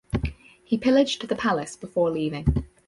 He pillaged the palace before leaving.